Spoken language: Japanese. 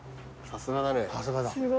さすがだ。